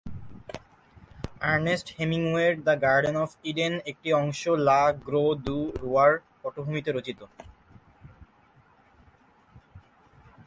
Ernst হেমিংওয়ের "the garden of Eden" একটি অংশ ল্য গ্রো-দ্যু-রোয়ার পটভূমিতে রচিত।